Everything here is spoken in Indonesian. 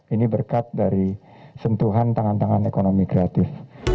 ini berkat dari sentuhan tangan tangan ekonomi kreatif